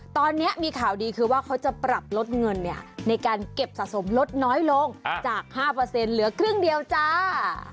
ตอนนี้มีข่าวดีคือว่าเขาจะปรับลดเงินในการเก็บสะสมลดน้อยลงจาก๕เหลือครึ่งเดียวจ้า